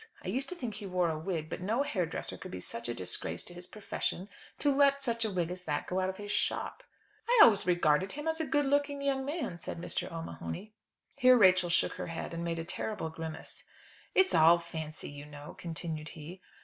I used to think he wore a wig; but no hairdresser could be such a disgrace to his profession to let such a wig as that go out of his shop." "I always regarded him as a good looking young man," said Mr. O'Mahony. Here Rachel shook her head, and made a terrible grimace. "It's all fancy you know," continued he.